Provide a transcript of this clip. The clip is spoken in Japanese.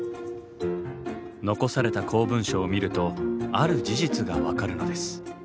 残された公文書を見るとある事実が分かるのです。